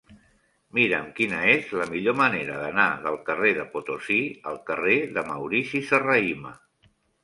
Mira'm quina és la millor manera d'anar del carrer de Potosí al carrer de Maurici Serrahima.